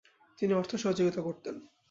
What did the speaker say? তিনি অর্থসহযোগিতা করতেন।